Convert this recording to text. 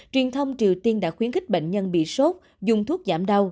truyền thông triều tiên đã khuyến khích bệnh nhân bị sốt dùng thuốc giảm đau